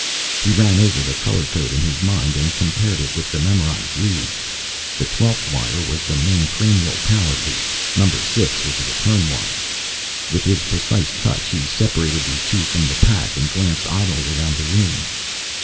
He ran over the color code in his mind and compared it with the memorized leads. The twelfth wire was the main cranial power lead, number six was the return wire. With his precise touch he separated these two from the pack and glanced idly around the room.